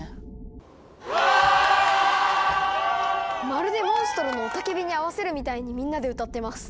まるでモンストロの雄たけびに合わせるみたいにみんなで歌ってます。